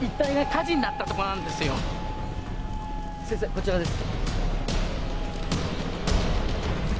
こちらです。